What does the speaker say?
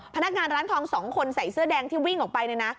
พนักงานร้านทอง๒คนใส่เสื้อแดงที่วิ่งออกไปเนี่ยนะ